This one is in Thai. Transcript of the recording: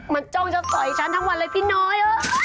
มันจ้องจะต่อยฉันทั้งวันเลยพี่น้อย